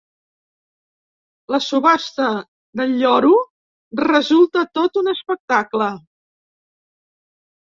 La subhasta del lloro resulta tot un espectacle.